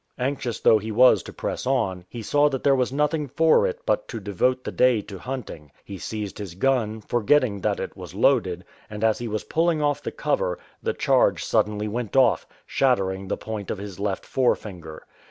"" Anxious though he was to press on, he saw that there was nothing for it but to devote the day to hunting. He seized his gun, forgetting that it was loaded, and as he was pulling off* the cover, the charge suddenly went off, shattering the point of his left forefinger.